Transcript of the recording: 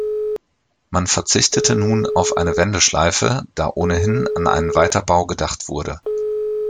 Man verzichtete nun auf eine Wendeschleife, da ohnehin an einen Weiterbau gedacht wurde.